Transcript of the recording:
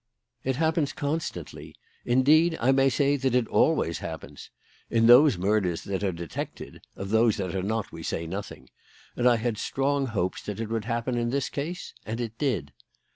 It happens constantly; indeed, I may say that it always happens in those murders that are detected; of those that are not we say nothing and I had strong hopes that it would happen in this case. And it did.